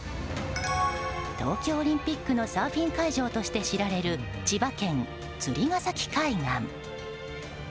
東京オリンピックのサーフィン会場として知られる千葉県釣ケ崎海岸。